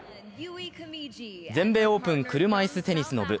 全米オープン車いすテニスの部。